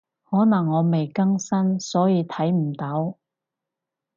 可能我未更新，所以睇唔到